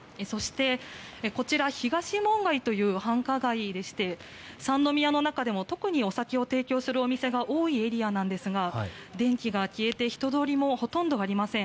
そして、こちら東門街という繁華街でして三宮の中でも特にお酒を提供するお店が多いエリアですが電気が消えて人通りもほとんどありません。